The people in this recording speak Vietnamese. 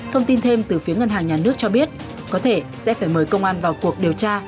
thông tin thêm từ phía ngân hàng nhà nước cho biết có thể sẽ phải mời công an vào cuộc điều tra